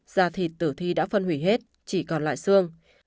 da thịt tử thi đã phân hủy hết chỉ còn lại xương